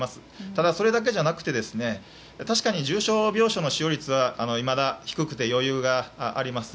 ただそれだけじゃなくて確かに重症病床使用率はまだ低くて余裕があります。